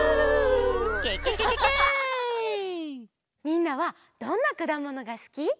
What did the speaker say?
みんなはどんなくだものがすき？